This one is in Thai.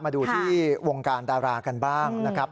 มาดูที่วงการดารากันบ้างนะครับ